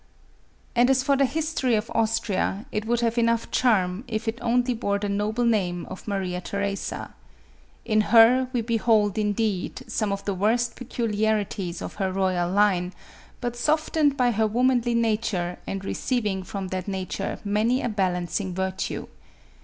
And as for the history of Austria, it would have enough charm, if it only bore the noble name of Maria Theresa. In her we behold, indeed, some of the worst peculiarities of her royal line, but softened by her womanly nature, and receiving from that nature many a balancing virtue.